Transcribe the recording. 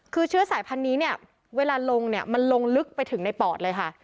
คือเชื้อสายพันธุ์นี้เนี่ยเวลาลงเนี่ยมันลงลึกไปถึงในปอดเลยค่ะ